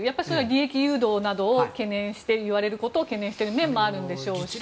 利益誘導などを言われることを懸念している面もあるでしょうし。